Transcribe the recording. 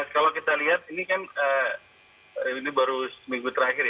kalau kita lihat ini kan ini baru seminggu terakhir ya